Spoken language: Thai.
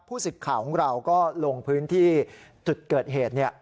ผู้สิทธิ์ข่าวของเราก็ลงพื้นที่